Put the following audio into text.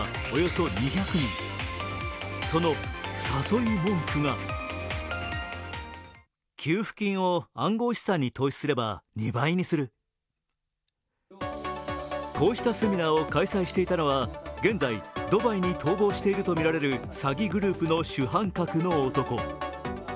その誘い文句がこうしたセミナーを開催していたのは現在、ドバイに逃亡しているとみられる詐欺グループの主犯格の男。